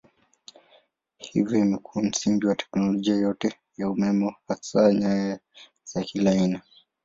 Hivyo imekuwa msingi wa teknolojia yote ya umeme hasa nyaya za kila aina.